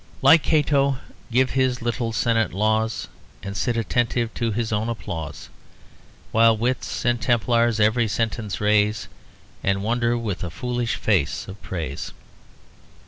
Like Cato give his little Senate laws, And sit attentive to his own applause. While wits and templars every sentence raise, And wonder with a foolish face of praise."